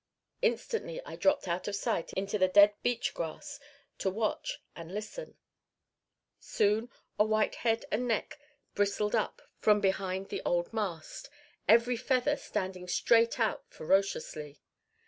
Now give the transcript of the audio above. Instantly I dropped out of sight into the dead beach grass to watch and listen. Soon a white head and neck bristled up from behind the old mast, every feather standing straight out ferociously.